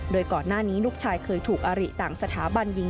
โดยก่อนหน้านี้ลูกชายเคยถูกอาริต่างสถาบันยิง